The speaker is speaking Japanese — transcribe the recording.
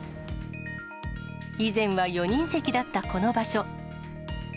以前は４人席だったこの場所。